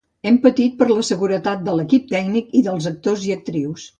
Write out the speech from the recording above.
Hem patit per la seguretat de l’equip tècnic i dels actors i actrius.